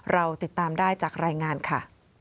เราติดตามได้จากรายงานค่ะ